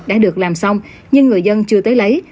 đã được làm xong nhưng người dân chưa tới lấy